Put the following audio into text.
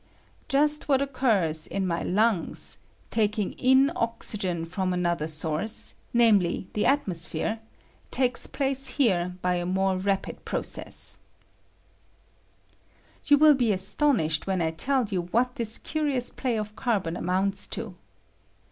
Just what occurs in my lungs — taking pa oxygen from another source, namely, the tnospliere, takes place here by a more rapid You will be astonished when I tell you what this curious play of carbon amounte to.